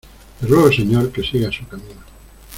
le ruego, señor , que siga su camino.